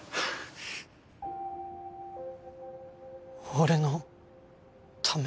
俺のため？